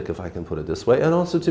tìm hiểu tình trạng lớn hơn